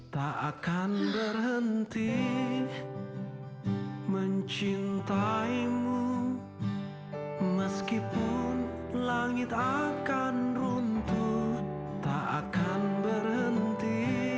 tak akan berhenti mencintaimu meskipun langit akan runtuh tak akan berhenti